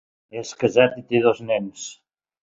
És casat i té dos nens.